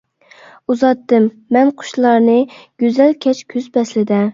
ئۇزاتتىم مەن قۇشلارنى، گۈزەل كەچ كۈز پەسلىدە.